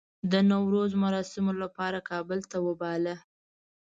د نوروز مراسمو لپاره کابل ته وباله.